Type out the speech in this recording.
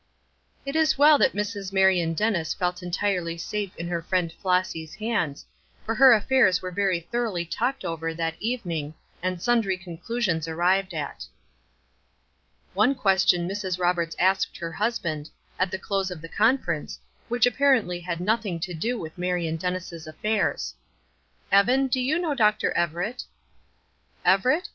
It is well that Mrs. Marion Dennis felt entirely safe in her friend Flossy's hands, for her affairs were very thoroughly talked over that evening, and sundry conclusions arrived at. One question Mrs. Roberts asked her husband, at the close of the conference, which apparently had nothing to do with Marion Dennis' affairs: "Evan, do you know Dr. Everett?" "Everett?